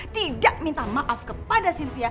tidak minta maaf kepada sintia